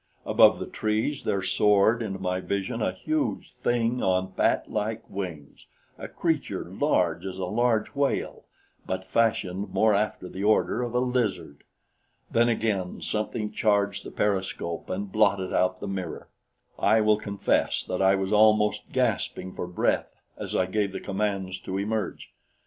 Above the trees there soared into my vision a huge thing on batlike wings a creature large as a large whale, but fashioned more after the order of a lizard. Then again something charged the periscope and blotted out the mirror. I will confess that I was almost gasping for breath as I gave the commands to emerge.